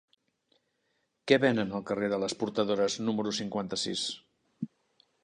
Què venen al carrer de les Portadores número cinquanta-sis?